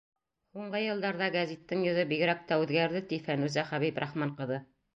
Һуңғы йылдарҙа гәзиттең йөҙө бигерәк тә үҙгәрҙе, — ти Фәнүзә Хәбибрахман ҡыҙы.